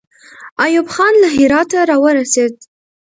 ایوب خان له هراته راورسېد.